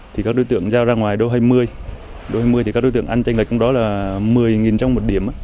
thì các đối tượng giao ra ngoài đôi hai mươi đôi hai mươi thì các đối tượng ăn tranh lệch trong đó là một mươi trong một điểm